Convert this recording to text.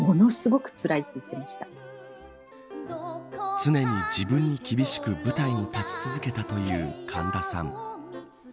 常に自分に厳しく舞台に立ち続けたという神田さん。